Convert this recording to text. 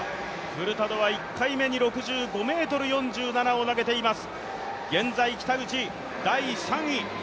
フルタドは１回目に６５ｍ４７を投げています。